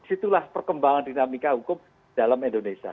itulah perkembangan dinamika hukum dalam indonesia